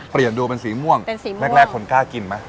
เปลี่ยนดูเป็นสีม่วงเป็นสีม่วงแรกแรกคนกล้ากินไหม